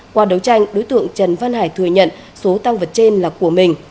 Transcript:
qua đấu tranh đối tượng trần văn hải thừa nhận số tăng vật trên là của mình